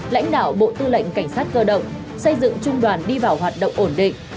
lãnh đạo bộ tư lệnh cảnh sát cơ động xây dựng trung đoàn đi vào hoạt động ổn định